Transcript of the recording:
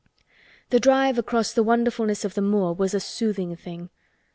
The drive across the wonderfulness of the moor was a soothing thing.